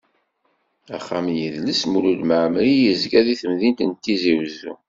Axxam n yidles Mulud Mɛemmeri yezga deg temdint n Tizi Uzzu.